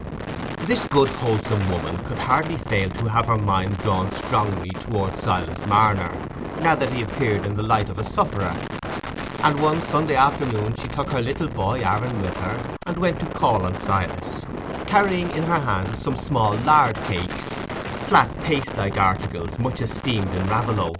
This good wholesome woman could hardly fail to have her mind drawn strongly towards Silas Marner, now that he appeared in the light of a sufferer; and one Sunday afternoon she took her little boy Aaron with her, and went to call on Silas, carrying in her hand some small lard cakes, flat paste like articles much esteemed in Raveloe.